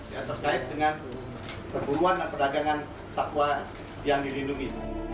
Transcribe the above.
yang terkait dengan perburuan dan perdagangan satwa yang dilindungi